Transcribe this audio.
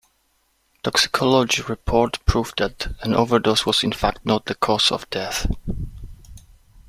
Toxicology report proved that an overdose was in fact not the cause of death.